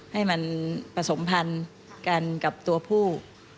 ให้มันประสงค์พันธ์กันกับตัวผู้